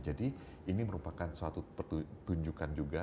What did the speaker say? jadi ini merupakan suatu pertunjukan juga